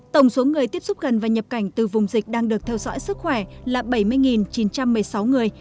tổng số người tiếp xúc gần và nhập cảnh từ vùng dịch đang được theo dõi sức khỏe là bảy mươi chín trăm một mươi sáu người